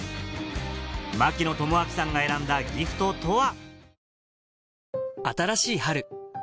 槙野智章さんが選んだギフトとは？